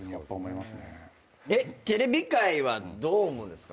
えっ？テレビ界はどう思うんですか？